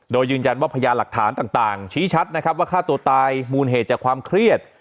โดยยืนยันว่าพยานหลักฐานต่างชี้ชัดนะครับว่าฆ่าตัวตายมูลเหตุจากความเครียด